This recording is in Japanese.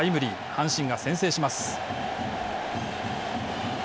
阪神が先制します。